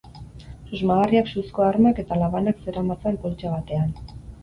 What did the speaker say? Susmagarriak suzko armak eta labanak zeramatzan poltsa batean.